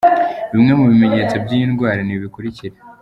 Bimwe mu bimenyetso by’iyi ndwara ni ibi bikurikira:.